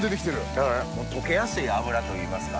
だから溶けやすい脂といいますか。